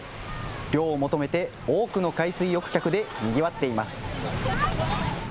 涼を求めて多くの海水浴客でにぎわっています。